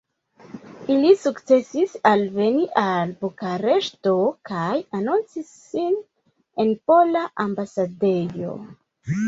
Ili sukcesis alveni al Bukareŝto kaj anoncis sin en Pola Ambasadejo.